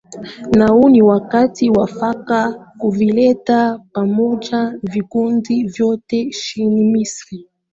na huu ni wakati mwafaka kuvileta pamoja vikundi vyote nchini misri